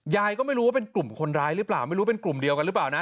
ยายก็ไม่รู้ว่าเป็นกลุ่มคนร้ายหรือเปล่าไม่รู้เป็นกลุ่มเดียวกันหรือเปล่านะ